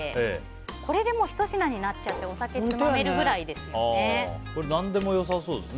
これでもうひと品になっちゃってお酒つまめるくらいですね。